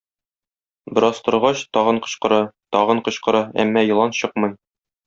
Бераз торгач, тагын кычкыра, тагын кычкыра, әмма елан чыкмый.